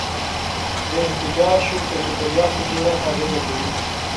د انفجار شوک د چاپیریال په جوړښت اغېزه کوي.